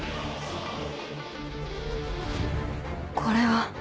これは。